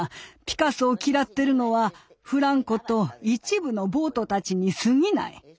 ピカソを嫌ってるのはフランコと一部の暴徒たちにすぎない。